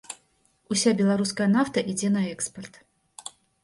Уся беларуская нафта ідзе на экспарт.